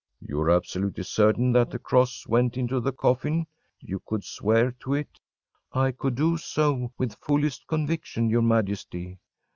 ‚ÄĚ “You are absolutely certain that the cross went into the coffin? You could swear to it?‚ÄĚ “I could do so with fullest conviction, your Majesty.